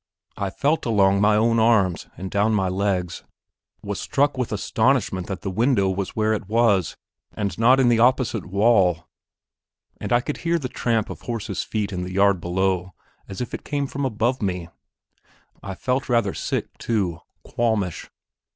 I felt along my own arms and down my legs, was struck with astonishment that the window was where it was, and not in the opposite wall; and I could hear the tramp of the horses' feet in the yard below as if it came from above me. I felt rather sick, too qualmish.